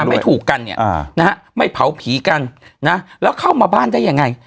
ไม่ถูกกันเนี่ยนะฮะไม่เผาผีกันนะแล้วเข้ามาบ้านได้ยังไง